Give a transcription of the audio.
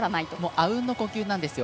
あうんの呼吸なんですよ。